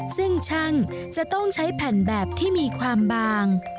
ซึ่งช่างจะต้องใช้แผ่นแบบที่มีความบาง